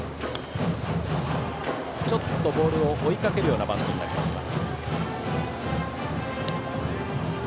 ちょっとボールを追いかけるようなバットになった。